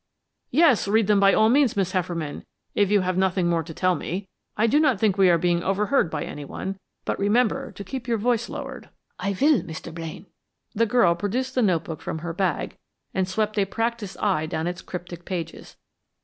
"Yes. Read them by all means, Miss Hefferman, if you have nothing more to tell me. I do not think we are being overheard by anyone, but remember to keep your voice lowered." "I will, Mr. Blaine." The girl produced the note book from her bag and swept a practised eye down its cryptic pages.